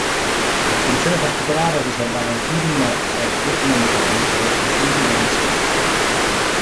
Attenzione particolare è riservata ai film e documentari prodotti in Friuli-Venezia Giulia.